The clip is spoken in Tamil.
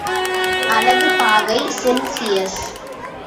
அலகு பாகை செல்சியஸ்.